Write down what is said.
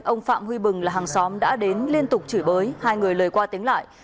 ông phạm huy bừng là hàng xóm đã đến liên tục chửi bới hai người lời qua tiếng lại